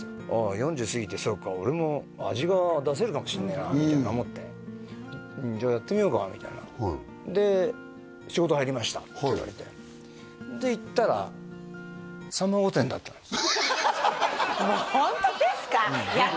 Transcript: ４０過ぎてそうか俺も味が出せるかもしんねえなみたいな思ってじゃあやってみようかみたいなで仕事入りましたって言われて行ったらもうホントですか？